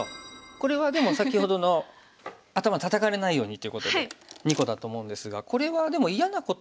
これはでも先ほどの頭タタかれないようにということで２個だと思うんですがこれはでも嫌なことが何か。